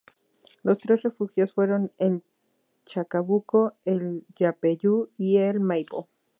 Los tres refugios fueron el Chacabuco, el Yapeyú y el Maipo.